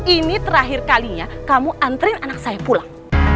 ini terakhir kalinya kamu antri anak saya pulang